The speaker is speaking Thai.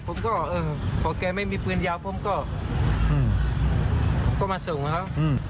ผมก็แต่แกไม่มีพื้นเยาของผมก็มาส่งนะครับ